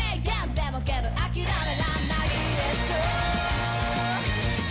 でもけど、諦めらんないでしょ